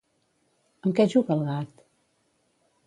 Amb què juga el gat?